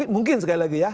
mungkin sekali lagi ya